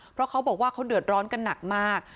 เพราะเขาบอกว่าเขาเดือดร้อนกันหนักมาก